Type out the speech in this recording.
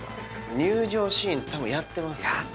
入場シーンたぶんやってますよ。